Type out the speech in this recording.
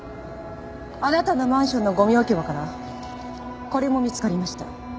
あなたのマンションのゴミ置き場からこれも見つかりました。